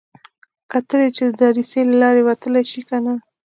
کتل يې چې د دريڅې له لارې وتلی شي که نه.